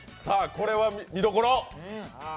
これは見どころ！